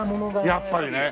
やっぱりね！